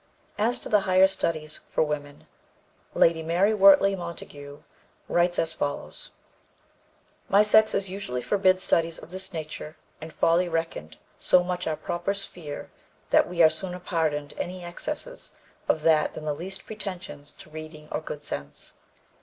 As to the higher studies for women, Lady Mary Wortley Montagu writes as follows: "My sex is usually forbid studies of this nature and folly reckoned so much our proper sphere that we are sooner pardoned any excesses of that than the least pretensions to reading or good sense.